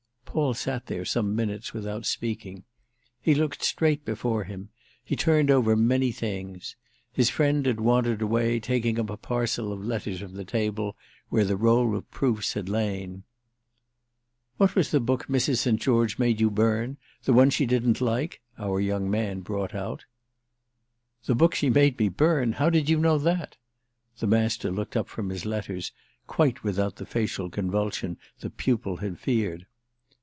Paul sat there some minutes without speaking. He looked straight before him—he turned over many things. His friend had wandered away, taking up a parcel of letters from the table where the roll of proofs had lain. "What was the book Mrs. St. George made you burn—the one she didn't like?" our young man brought out. "The book she made me burn—how did you know that?" The Master looked up from his letters quite without the facial convulsion the pupil had feared.